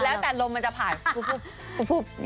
แล้วแต่ลมมันจะผ่านปุ๊บ